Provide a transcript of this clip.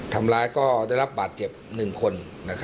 ทำร้ายก็ได้รับบาดเจ็บ๑คน